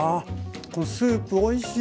このスープおいしい。